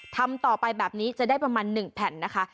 ทำต่อไปแบบนี้จะได้ประมาณ๑แผ่นนะคะ